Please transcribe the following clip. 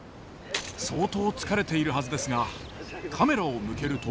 相当疲れているはずですがカメラを向けると。